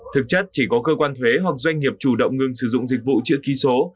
thực chất chỉ có cơ quan thuế hoặc doanh nghiệp chủ động ngừng sử dụng dịch vụ chữ ký số